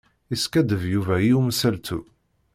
Yeskaddeb Yuba i umsaltu.